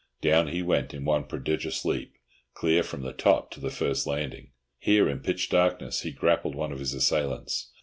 down he went in one prodigious leap, clear from the top to the first landing. Here, in pitch darkness, he grappled one of his assailants.